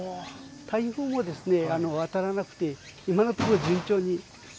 台風は当たらなくて今のところ順調に。